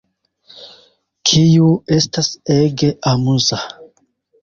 Kiu estas ege amuza